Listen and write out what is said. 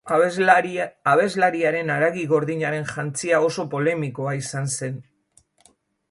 Abeslariaren haragi gordinaren jantzia oso polemikoa izan zen.